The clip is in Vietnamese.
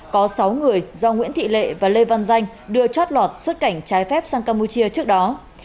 có sáu người do nguyễn thị lệ và lê văn danh đưa chót lọt xuất cảnh trái phép sang campuchia trước đó